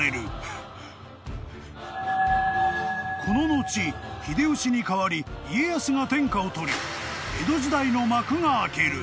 ［この後秀吉に代わり家康が天下を取り江戸時代の幕が開ける］